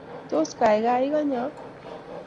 Tos, gaigai iganya?